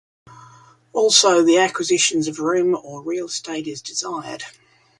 Also the acquisition of rooms or real estate is desired.